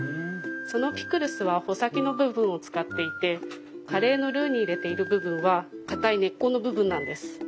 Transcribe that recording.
そのピクルスは穂先の部分を使っていてカレーのルーに入れている部分はかたい根っこの部分なんです。